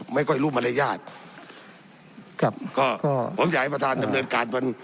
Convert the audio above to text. ไม่ค่อยรู้มารยาทครับก็ผมอยากให้ประธานดำเนินการจน